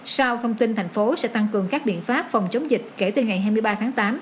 sau thông tin thành phố sẽ tăng cường các biện pháp phòng chống dịch kể từ ngày hai mươi ba tháng tám